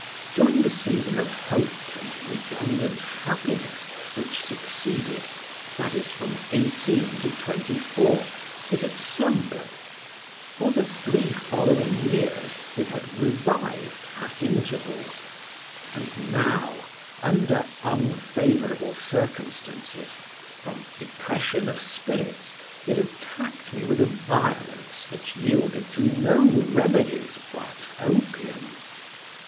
During the season of hope and redundant happiness which succeeded (that is, from eighteen to twenty four) it had slumbered; for the three following years it had revived at intervals; and now, under unfavourable circumstances, from depression of spirits, it attacked me with a violence that yielded to no remedies but opium.